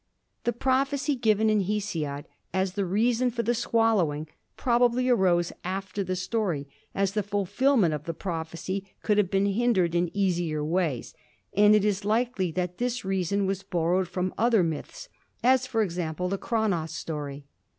The prophecy given in Hesiod as the reason for the swallowing probably arose after the story, as the fulfillment of the prophecy could have been hindered in easier ways, and it is likely that this reason was borrowed from other myths, as, for example, the Cronos story.